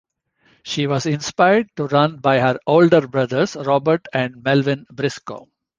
She was inspired to run by her older brothers, Robert and Melvin Brisco.